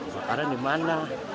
makanan di mana